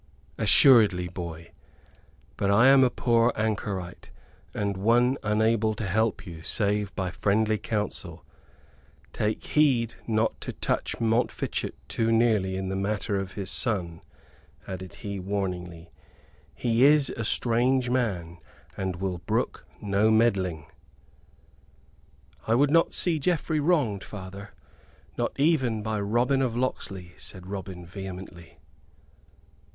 "Assuredly, boy. But I am a poor anchorite and one unable to help you, save by friendly counsel. Take heed not to touch Montfichet too nearly in the matter of his son," added he, warningly; "he is a strange man, and will brook no meddling." "I would not see Geoffrey wronged, father, not even by Robin of Locksley," said Robin, vehemently.